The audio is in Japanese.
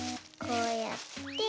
こうやって。